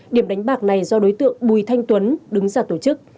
điểm đánh bạc này do đối tượng bùi thanh tuấn đứng ra tổ chức